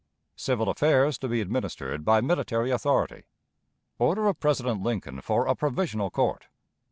Civil Affairs to be administered by Military Authority. Order of President Lincoln for a Provisional Court.